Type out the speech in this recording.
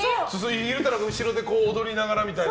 昼太郎が後ろで踊りながらみたいな。